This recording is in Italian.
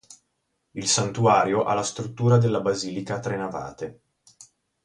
Il santuario ha la struttura della basilica a tre navate.